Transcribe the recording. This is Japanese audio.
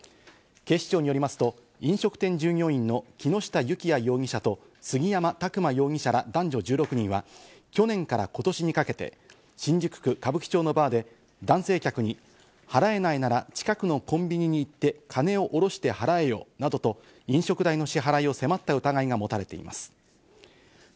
警視庁によりますと飲食店従業員の木下幸也容疑者と杉山琢磨容疑者ら男女１６人は去年から今年にかけて新宿区歌舞伎町のバーで男性客に、払えないなら近くのコンビニに行って、金をおろして払えよなどと飲食代の支払いを迫った疑いが持たれています。